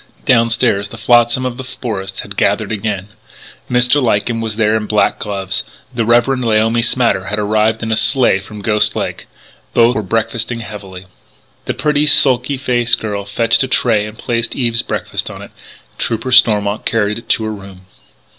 Downstairs the flotsam of the forest had gathered again: Mr. Lyken was there in black gloves; the Reverend Laomi Smatter had arrived in a sleigh from Ghost Lake. Both were breakfasting heavily. The pretty, sulky faced girl fetched a tray and placed Eve's breakfast on it; and Trooper Stormont carried it to her room.